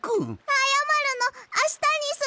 あやまるのあしたにする。